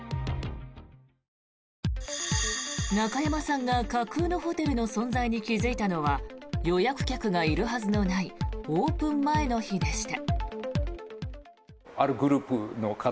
中山さんが架空のホテルの存在に気付いたのは予約客がいるはずのないオープン前の日でした。